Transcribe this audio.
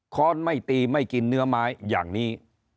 ้อนไม่ตีไม่กินเนื้อไม้อย่างนี้